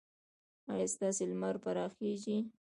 ایا ستاسو لمر به راخېژي؟